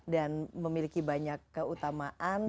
dan memiliki banyak keutamaan